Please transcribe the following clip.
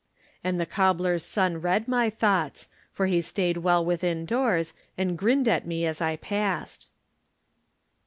And the cob bler's son read my thoughts, for he stayed well withindoors and grinned at me as I passed.